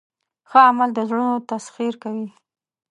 ښه عمل د زړونو تسخیر کوي.